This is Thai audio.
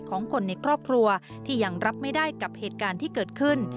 ของคนในครอบครัวที่ยังรับไม่ได้กับเหตุการณ์ที่เกิดขึ้น